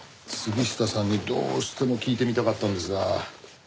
杉下さんにどうしても聞いてみたかったんですが。